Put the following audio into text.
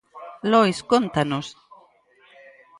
Lois cóntanos...